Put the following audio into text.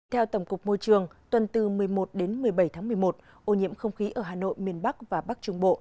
theo tổng cục môi trường tuần từ một mươi một đến một mươi bảy tháng một mươi một ô nhiễm không khí ở hà nội miền bắc và bắc trung bộ